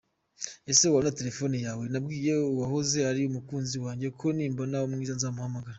Ese wantiza telephone yawe ?nabwiye uwahoze ari umukunzi wajye ko nimbona umwiza nzamuhamagara.